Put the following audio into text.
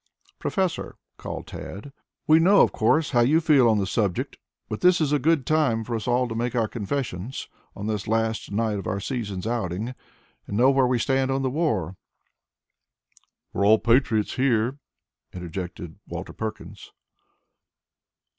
"Professor," called Tad. "We know of course how you feel on the subject, but this is a good time for us all to make our confessions, on this the last night of our season's outing, and know where we stand on the war." "We are all patriots here," interjected Walter Perkins.